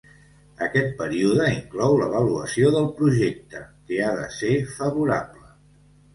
Aquest període inclou l'avaluació del projecte, que ha de ser favorable.